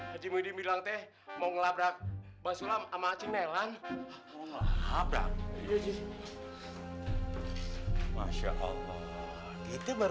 haji muhyiddin bilang teh mau ngelabrak basulah amat cing nelang abrak masya allah itu baru